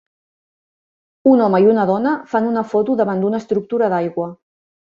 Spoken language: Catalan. Un home i una dona fan una foto davant d'una estructura d'aigua.